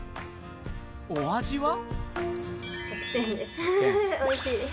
お味は？